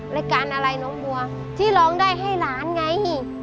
รายการอะไรน้องบัวที่ร้องได้ให้หลานไง